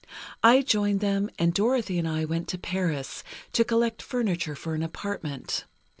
I joined them, and Dorothy and I went to Paris, to collect furniture for an apartment.